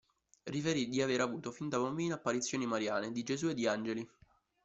Riferì di aver avuto fin da bambina apparizioni mariane, di Gesù e di angeli.